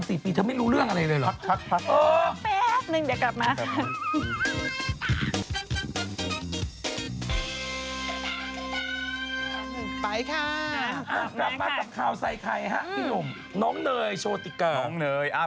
สินใจไหมแล้วคุณอ่ะหัวคุณอ่ะ